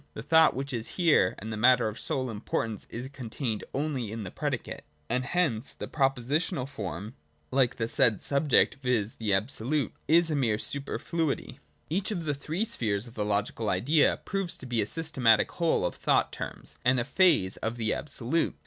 The thought, which is here the matter of sole import ance, is contained only in the predicate : and hence the propositional form, like the said subject, viz. the Abso lute, is a mere superfluity (cf § 31, and below, on the Judgment). Each of the three spheres of the logical idea proves to be a systematic whole of thought terms, and a phase of the Absolute.